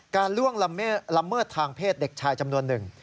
ล่วงละเมิดทางเพศเด็กชายจำนวนหนึ่ง